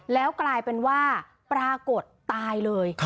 แล้วกลายเป็นว่าปรากฏตายเลย